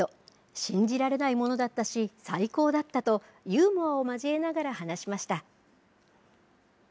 信じられないものだったし、最高だったと、ユーモアを交えながら話しました。